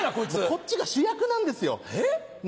こっちが主役なんですよ。えっ？